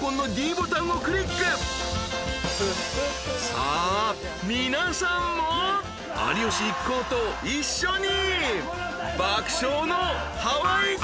［さあ皆さんも有吉一行と一緒に］